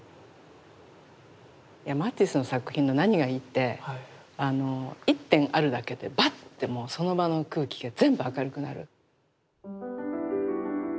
マティスの作品の何がいいって１点あるだけでバッてもうその場の空気が全部明るくなる。